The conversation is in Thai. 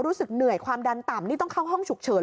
รู้สึกเหนื่อยความดันต่ำนี่ต้องเข้าห้องฉุกเฉิน